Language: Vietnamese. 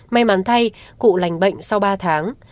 may mắn thay cụ lành bệnh sau ba tháng